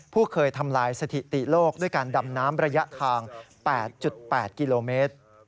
ผู้เคยทำลายสถิติโลกด้วยการดำน้ำระยะทาง๘๘กิโลเมตร